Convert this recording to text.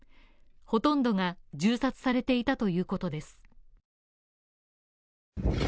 ほとんどが銃殺されていたということです。